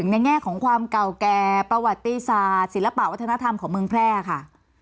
ในแง่ของความเก่าแก่ประวัติศาสตร์ศิลปะวัฒนธรรมของเมืองแพร่ค่ะ